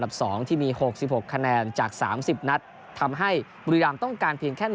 ๒ที่มี๖๖คะแนนจาก๓๐นัดทำให้บุรีรามต้องการเพียงแค่๑